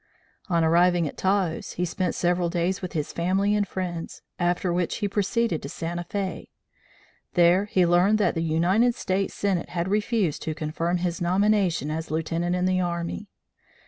On arriving at Taos, he spent several days with his family and friends, after which he proceeded to Santa Fe. There he learned that the United States Senate had refused to confirm his nomination as lieutenant in the army.